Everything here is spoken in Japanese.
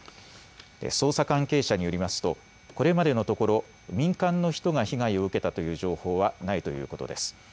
捜査関係者によりますとこれまでのところ、民間の人が被害を受けたという情報はないということです。